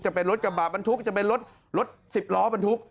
จะเป็นรถกระบะบรรทุกจะเป็นรถรถสิบล้อบรรทุก